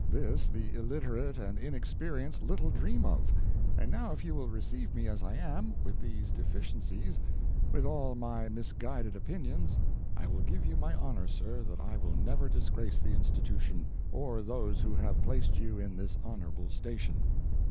This the illiterate and inexperienced little dream of; and now if you will receive me as I am, with these deficiencies with all my misguided opinions, I will give you my honor, sir, that I will never disgrace the Institution, or those who have placed you in this honorable station."